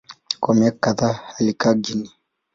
Kwa miaka kadhaa alikaa Guinea.